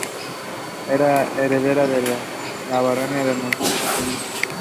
It falls during its approximately course.